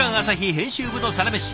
編集部のサラメシ